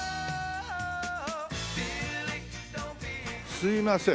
すいません。